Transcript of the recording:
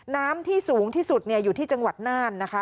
น้ำที่สูงที่สุดอยู่ที่จังหวัดน่านนะคะ